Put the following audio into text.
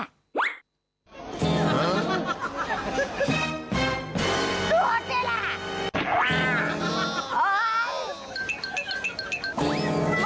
สู้เดี๋ยวละ